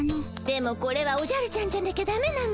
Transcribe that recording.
でもこれはおじゃるちゃんじゃなきゃだめなのよ。